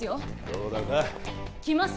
どうだか来ます